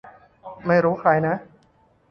ไม่รู้ใครนะ